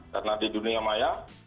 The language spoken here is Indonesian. karena di dunia maya